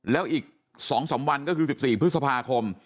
แล้วอีก๒๓วันก็คือ๑๔พฤษภาคม